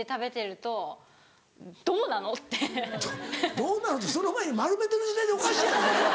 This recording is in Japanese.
「どうなの？」ってその前に丸めてる時点でおかしいやろ。